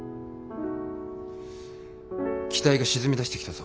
機体が沈みだしてきたぞ。